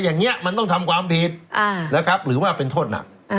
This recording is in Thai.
อย่างนี้มันต้องทำความผิดนะครับหรือว่าเป็นโทษหนัก